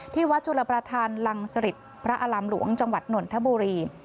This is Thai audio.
ที่วัดจุลประธานรังสฤษฐ์พระอลัมหลวงจังหวัดหน่วนธบุรี